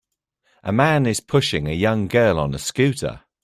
A man is pushing a young girl on a scooter